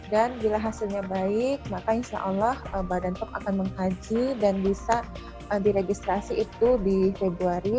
dan bila hasilnya baik maka insya allah badan pom akan mengkaji dan bisa diregistrasi itu di februari